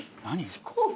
飛行機？